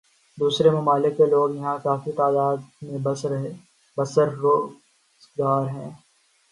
دوسرے ممالک کے لوگ یہاں کافی تعداد میں برسر روزگار ہیں